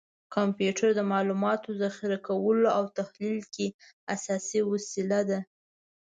کمپیوټر د معلوماتو ذخیره کولو او تحلیل کې اساسي وسیله ده.